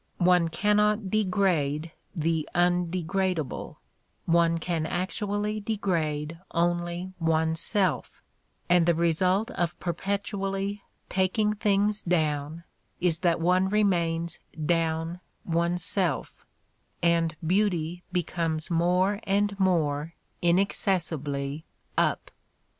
One cannot degrade the undegradeable : one can actually degrade only oneself, and the result of per petually "taking things down" is that one remains "down" oneself, and beauty becomes more and more inaccessibly "up."